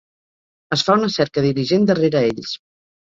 Es fa una cerca diligent darrera ells.